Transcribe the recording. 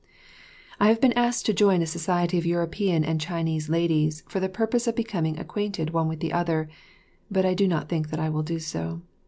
I have been asked to join a society of European and Chinese ladies for the purpose of becoming acquainted one with the other, but I do not think that I will do so.